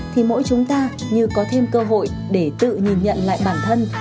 thì mỗi chúng ta như có thêm cơ hội để tự nhìn nhận lại bản thân